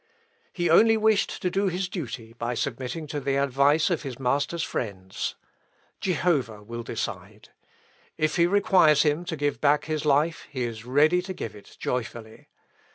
He only wished to do his duty by submitting to the advice of his master's friends. Jehovah will decide. If he requires him to give back his life, he is ready to give it joyfully.